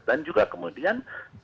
dan juga kemudian